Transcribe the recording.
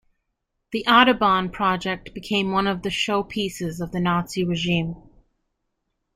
The "Autobahn" project became one of the show pieces of the Nazi regime.